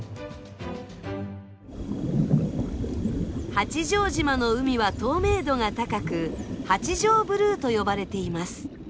八丈島の海は透明度が高く八丈ブルーと呼ばれています。